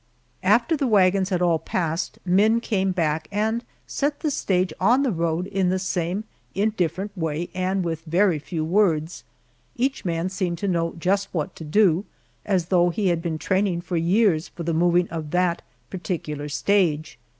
After the wagons had all passed, men came back and set the stage on the road in the same indifferent way and with very few words. Each man seemed to know just what to do, as though he had been training for years for the moving of that particular stage.